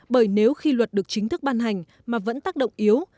bởi nếu khi luật được chính thức ban hành mà vẫn tác động yếu